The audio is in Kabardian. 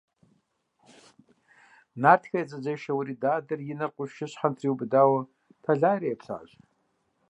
Нартхэ я дзэзешэ Уэрий Дадэ и нэр къуршыщхьэм триубыдэри тэлайрэ еплъащ.